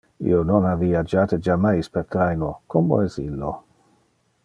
Io non ha viagiate jammais per traino, como es illo?